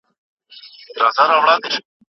موږ بايد د دولت رسمي جوړښت وپېژنو.